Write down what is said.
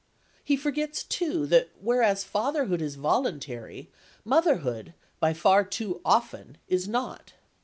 He forgets, too, that whereas fatherhood is voluntary, motherhood by far too often is not.